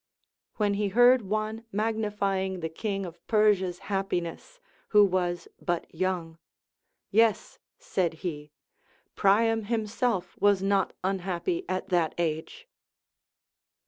When he heard one magnifying the king of Persia's happiness, who was but young, Yes, said he, Priam himself was not unhappy at that age.